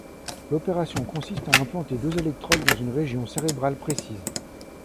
L'opération consiste à implanter deux électrodes dans une région cérébrale précise.